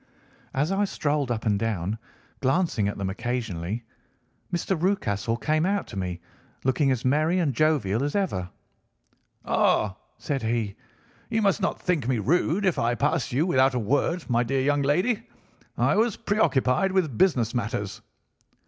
As I strolled up and down, glancing at them occasionally, Mr. Rucastle came out to me, looking as merry and jovial as ever. "'Ah!' said he, 'you must not think me rude if I passed you without a word, my dear young lady. I was preoccupied with business matters.